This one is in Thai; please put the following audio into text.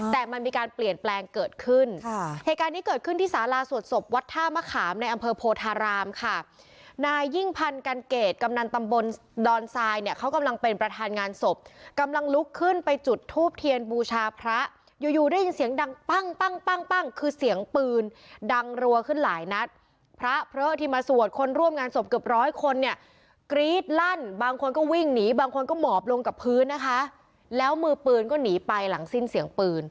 แต่มันมีการเปลี่ยนแปลงเกิดขึ้นภาคภาคภาคภาคภาคภาคภาคภาคภาคภาคภาคภาคภาคภาคภาคภาคภาคภาคภาคภาคภาคภาคภาคภาคภาคภาคภาคภาคภาคภาคภาคภาคภาคภาคภาคภาคภาคภาคภาคภาคภาคภาคภาคภาคภาคภาคภาคภาคภ